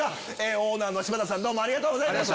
オーナーの柴田さんどうもありがとうございました。